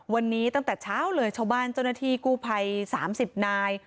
วันนี้ตั้งแต่เช้าเลยชาวบ้านเจ้าหน้าที่กู้ภัย๓๐นาย